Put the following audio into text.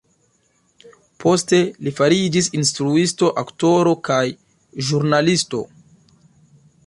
Poste li fariĝis instruisto, aktoro kaj ĵurnalisto.